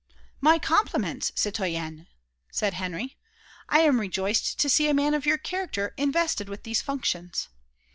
"My compliments, citoyen!" said Henry. "I am rejoiced to see a man of your character invested with these functions.